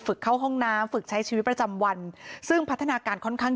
เข้าห้องน้ำฝึกใช้ชีวิตประจำวันซึ่งพัฒนาการค่อนข้าง